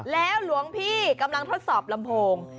แล้วหลวงพี่กำลังทดสอบลำโพง